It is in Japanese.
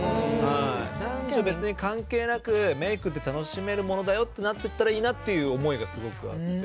別に関係なくメイクって楽しめるものだよってなってったらいいなっていう思いがすごくあって。